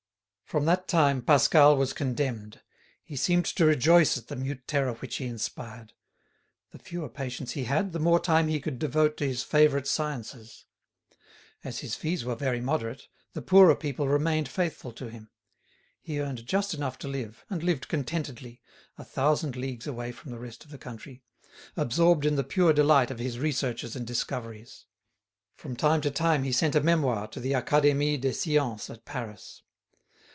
From that time, Pascal was condemned. He seemed to rejoice at the mute terror which he inspired. The fewer patients he had, the more time he could devote to his favourite sciences. As his fees were very moderate, the poorer people remained faithful to him; he earned just enough to live, and lived contentedly, a thousand leagues away from the rest of the country, absorbed in the pure delight of his researches and discoveries. From time to time he sent a memoir to the Academie des Sciences at Paris.